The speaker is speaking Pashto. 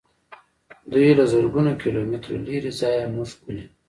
دوی له زرګونو کیلو مترو لیرې ځایه موږ ولي.